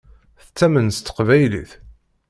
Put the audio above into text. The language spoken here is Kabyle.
Tettamen s teqbaylit.